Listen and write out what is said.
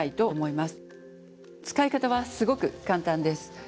使い方はすごく簡単です。